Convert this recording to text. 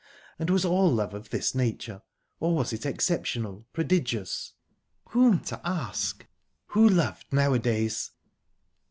And was all love of this nature, or was it exceptional, prodigious?... Whom to ask? Who loved nowadays?